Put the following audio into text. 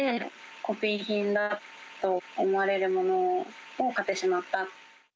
コピー品だと思われるものを買ってしまった。